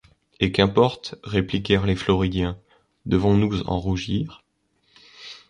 Et qu’importe! répliquèrent les Floridiens, devons-nous en rougir?